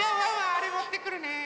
あれもってくるね。